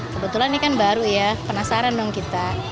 kebetulan ini kan baru ya penasaran dong kita